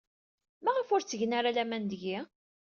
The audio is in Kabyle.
Maɣef ur ttgen ara laman deg-i?